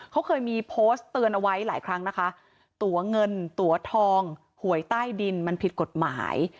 เขาเคยมีโพสต์เตือนเอาไว้หลายครั้งนะคะตัวเงินตัวทองหวยใต้ดินมันผิดกฎหมาย